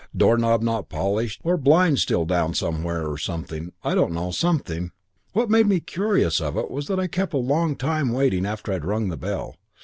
Door knob not polished, or blinds still down somewhere or something. I don't know. Something. And what made me conscious of it was that I was kept a long time waiting after I'd rung the bell.